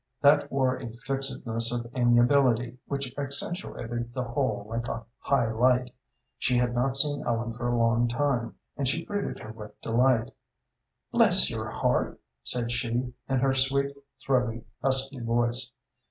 That wore a fixedness of amiability which accentuated the whole like a high light. She had not seen Ellen for a long time, and she greeted her with delight. "Bless your heart!" said she, in her sweet, throaty, husky voice.